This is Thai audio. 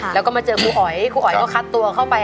แล้วก็มาเจอครูอ๋อยครูอ๋อยก็คัดตัวเข้าไป